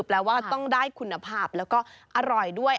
แปลว่าต้องได้คุณภาพแล้วก็อร่อยด้วย